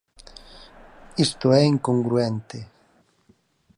Isto é incongruente.